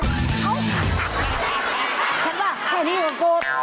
ฉันว่าแค่นี้ก็โกรธ